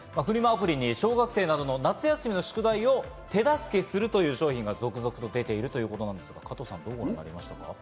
アプリに小学生などの夏休みの宿題は手助けするという商品が続々と出ているということですが、加藤さん、どう思いますか？